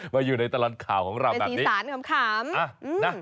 มาอยู่ในตลาดข่าวของเราแบบนี้ในสีสานของขามนะ